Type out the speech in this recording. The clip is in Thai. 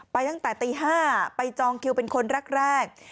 ตั้งแต่ตี๕ไปจองคิวเป็นคนแรก